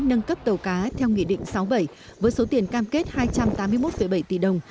nâng cấp tàu cá theo nghị định sáu bảy với số tiền cam kết hai trăm tám mươi một bảy tỷ đồng